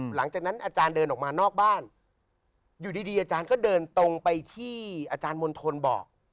หลังจากนั้นอาจารย์เดินออกมานอกบ้านอยู่ดีอาจารย์ก็เดินตรงไปที่อาจารย์มณฑลบอก